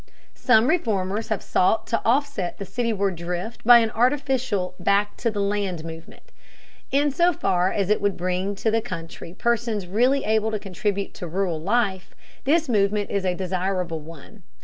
Some reformers have sought to offset the cityward drift by an artificial "back to the land" movement. In so far as it would bring to the country persons really able to contribute to rural life, this movement is a desirable one.